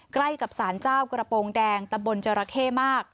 ใกล้กับสารเจ้ากระโปรงแดงตำบลจราเข้มาก